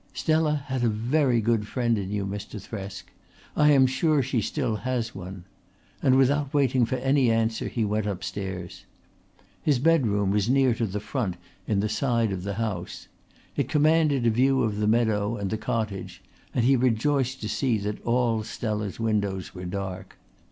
"Stella had a very good friend in you, Mr. Thresk. I am sure she still has one," and without waiting for any answer he went upstairs. His bedroom was near to the front in the side of the house. It commanded a view of the meadow and the cottage and he rejoiced to see that all Stella's windows were dark.